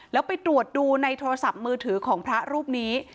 แล้วไปตรวจดูในโทรศัพท์มือถือของพระรูปนี้